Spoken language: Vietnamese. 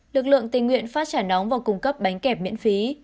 lực lượng tình nguyện phát trả nóng và cung cấp bánh kẹp miễn phí